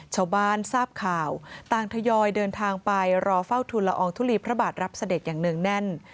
ชาวบ้านทราบข่าวต่างทยอยเดินทางไปรอเฝ้าทุนละอองทุลีพระบาทรับเสด็จอย่างเนื่องแน่น